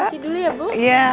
terima kasih dulu ya bu